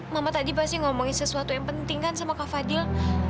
mama tadi pasti ngomongin sesuatu yang penting kan sama kak fadil